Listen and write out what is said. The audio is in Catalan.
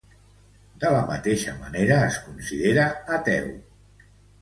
De la mateixa manera es considera ateu.